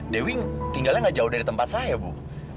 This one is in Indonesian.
dewi tinggalnya nggak jauh dari tempat saya bu